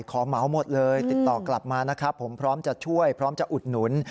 เหมาหมดเลยติดต่อกลับมานะครับผมพร้อมจะช่วยพร้อมจะอุดหนุน